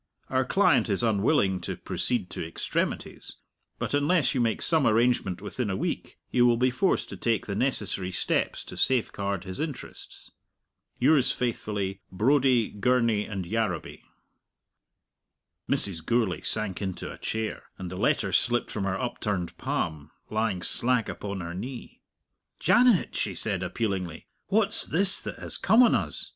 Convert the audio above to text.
Our client is unwilling to proceed to extremities, but unless you make some arrangement within a week, he will be forced to take the necessary steps to safeguard his interests. Yours faithfully, BRODIE, GURNEY, & YARROWBY." Mrs. Gourlay sank into a chair, and the letter slipped from her upturned palm, lying slack upon her knee. "Janet," she said, appealingly, "what's this that has come on us?